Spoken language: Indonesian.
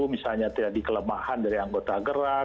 misalnya terjadi kelemahan dari anggota gerak